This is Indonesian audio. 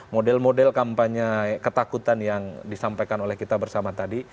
model model kampanye ketakutan yang disampaikan oleh kita bersama tadi